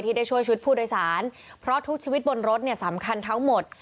ได้ช่วยชีวิตผู้โดยสารเพราะทุกชีวิตบนรถเนี่ยสำคัญทั้งหมด